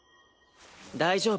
大丈夫。